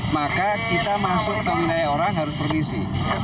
maka kita masuk ke wilayah orang harus permisi